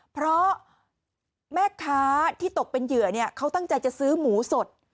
เพราะแม่ค้าที่ตกเป็นเหยื่อเขาตั้งใจจะซื้อหมูสด